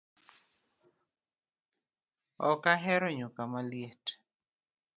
Ok ahero nyuka maliet